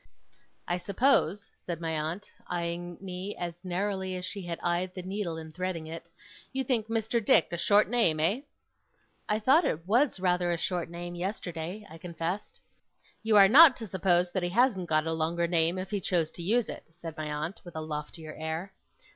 'I suppose,' said my aunt, eyeing me as narrowly as she had eyed the needle in threading it, 'you think Mr. Dick a short name, eh?' 'I thought it was rather a short name, yesterday,' I confessed. 'You are not to suppose that he hasn't got a longer name, if he chose to use it,' said my aunt, with a loftier air.